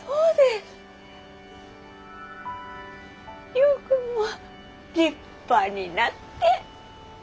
亮君も立派になって！